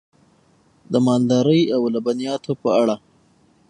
د مالدارۍ او لبنیاتو په اړه: